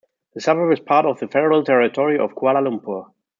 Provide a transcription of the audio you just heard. The suburb is part of the Federal Territory of Kuala Lumpur.